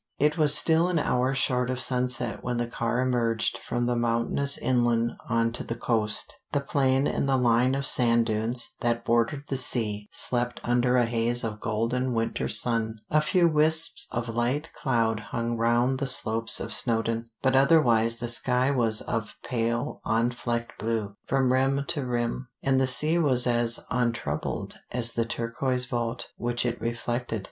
It was still an hour short of sunset when the car emerged from the mountainous inland on to the coast. The plain and the line of sand dunes that bordered the sea slept under a haze of golden winter sun; a few wisps of light cloud hung round the slopes of Snowdon, but otherwise the sky was of pale unflecked blue, from rim to rim, and the sea was as untroubled as the turquoise vault which it reflected.